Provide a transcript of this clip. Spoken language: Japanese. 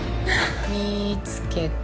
見つけた。